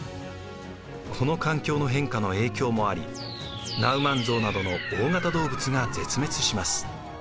この環境の変化の影響もありナウマンゾウなどの大型動物が絶滅します。